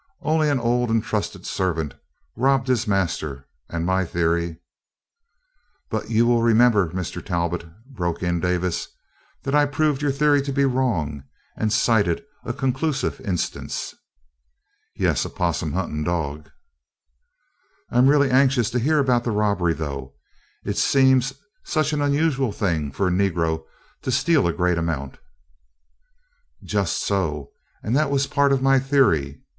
Only an old and trusted servant robbed his master, and my theory " "But you will remember, Mr. Talbot," broke in Davis, "that I proved your theory to be wrong and cited a conclusive instance." "Yes, a 'possum hunting dog." "I am really anxious to hear about the robbery, though. It seems such an unusual thing for a negro to steal a great amount." "Just so, and that was part of my theory.